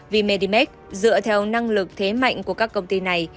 v medimax dựa theo năng lực thế mạnh của các công ty này